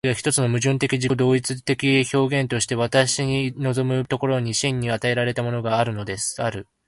世界が一つの矛盾的自己同一的現在として私に臨む所に、真に与えられたものがあるのである。